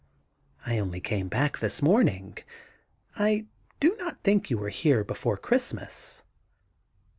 'I only came back this morning. I do not think you were here before Christmas.'